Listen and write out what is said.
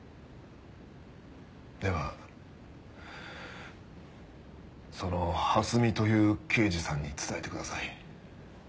ではその蓮見という刑事さんに伝えてください。